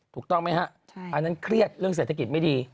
ถูกต้องไหมฮะอันนั้นเครียดเรื่องเศรษฐกิจไม่ดี